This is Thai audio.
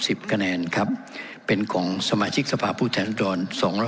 คะแนนครับเป็นของสมาชิกสภาพผู้แทนดรสองร้อย